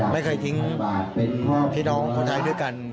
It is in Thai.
ไม่เคยทิ้งพี่น้องประชาชนเจ้าไทยด้วยกัน